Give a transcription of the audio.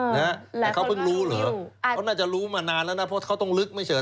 แต่เขาเพิ่งรู้เหรอเขาน่าจะรู้มานานแล้วนะเพราะเขาต้องลึกไม่เฉย